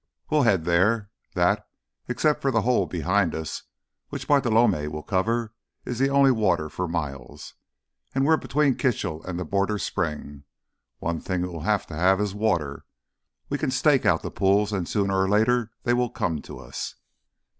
"We'll head there. That—except for the hole behind us which Bartolomé will cover—is the only water for miles. And we're between Kitchell and the border spring. One thing he will have to have is water. We stake out the pools and sooner or later they will come to us."